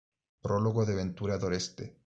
Prólogo de Ventura Doreste.